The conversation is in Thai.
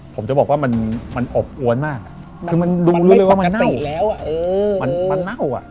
ผมจะบอกว่ามันอบอวนมากคือมันรู้เลยว่ามันเน่า